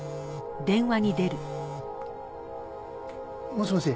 もしもし。